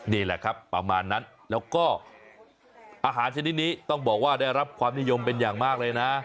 นี่แหละครับประมาณนั้นแล้วก็อาหารชนิดนี้ต้องบอกว่าได้รับความนิยมเป็นอย่างมากเลยนะ